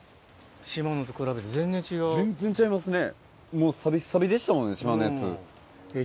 全然ちゃいますね。